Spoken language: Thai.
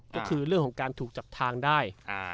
ก็คือเรื่องของการถูกจับทางได้